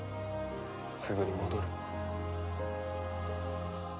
すぐに戻る。